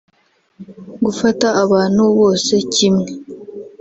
gufata abantu bose kimwe